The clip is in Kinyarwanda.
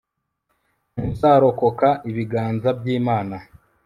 ntuzarokoka ibiganza by'imana